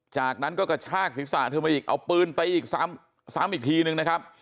จากนั้นก็กระชากศีรษะเธอมาอีกเอาปืนไปอีกซ้ำอีกทีนึงนะครับ